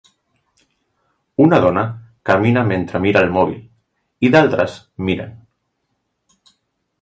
Una dona camina mentre mira el mòbil i d'altres miren.